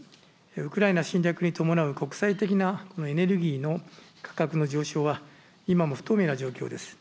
ウクライナ侵略に伴う国際的なエネルギーの価格の上昇は、今も不透明な状況です。